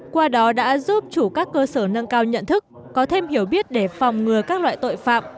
qua đó đã giúp chủ các cơ sở nâng cao nhận thức có thêm hiểu biết để phòng ngừa các loại tội phạm